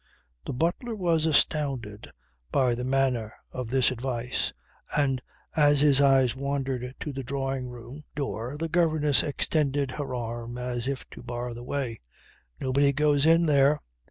The butler was astounded by the manner of this advice, and as his eyes wandered to the drawing room door the governess extended her arm as if to bar the way. "Nobody goes in there."